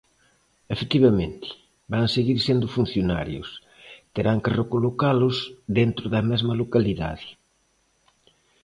Efectivamente, van seguir sendo funcionarios, terán que recolocalos dentro da mesma localidade.